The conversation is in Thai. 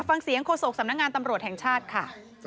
ฟังเสียงโฆษกสำนักงานตำรวจแห่งชาติค่ะ